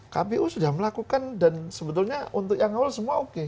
kpu sudah melakukan dan sebetulnya untuk yang awal semua oke